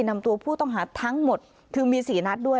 นำตัวผู้ต้องหาทั้งหมดคือมี๔นัดด้วย